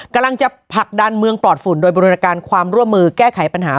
กำลังผลักดันเมืองปลอดฝุ่นโดยบริการความร่วมมือแก้ไขปัญหา